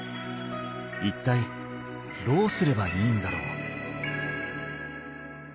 一体どうすればいいんだろう？